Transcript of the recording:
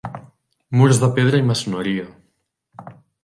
Murs de pedra i maçoneria.